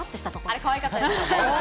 あれ、かわいかったですね。